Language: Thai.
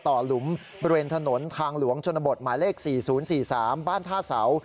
หลุมบริเวณถนนทางหลวงชนบทหมายเลข๔๐๔๓บ้านท่าเสา